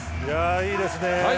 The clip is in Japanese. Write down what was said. いいですね。